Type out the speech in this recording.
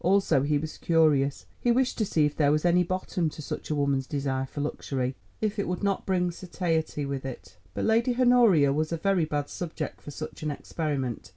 Also he was curious; he wished to see if there was any bottom to such a woman's desire for luxury, if it would not bring satiety with it. But Lady Honoria was a very bad subject for such an experiment.